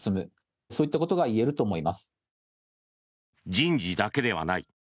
人事だけではない。